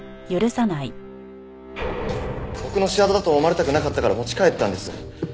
僕の仕業だと思われたくなかったから持ち帰ったんです。